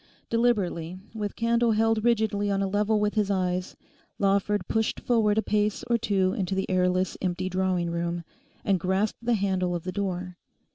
Deliberately, with candle held rigidly on a level with his eyes, Lawford pushed forward a pace or two into the airless, empty drawing room, and grasped the handle of the door.